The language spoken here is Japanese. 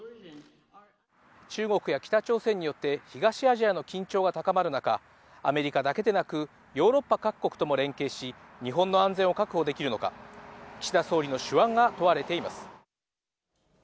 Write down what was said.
中国や北朝鮮によって東アジアの緊張が高まる中、アメリカだけでなく、ヨーロッパ各国とも連携し、日本の安全を確保できるのか、岸田総理の手腕が問われています。